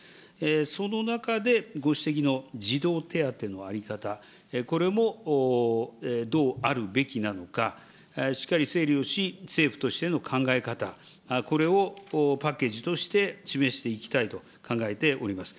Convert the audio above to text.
その中でご指摘の児童手当の在り方、これもどうあるべきなのか、しっかり整理をし、政府としての考え方、これをパッケージとして示していきたいと考えております。